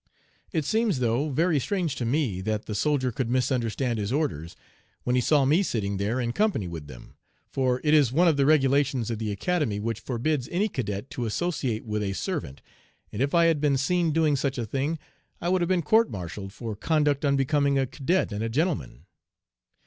"It seems, though, very strange to me that the soldier could misunderstand his orders, when he saw me sitting there in company with them, for it is one of the regulations of the Academy which forbids any cadet to associate with a servant, and if I had been seen doing such a thing I would have been court martialled for 'conduct unbecoming a cadet and a gentleman."